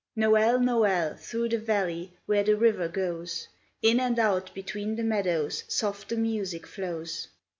Noel ! Noel! Through the valley Where the river goes In and out between the meadows, Soft the music flows.